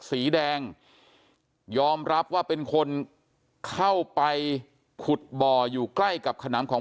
สีแดงยอมรับว่าเป็นคนเข้าไปขุดบ่ออยู่ใกล้กับขนำของ